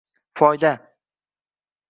Foyda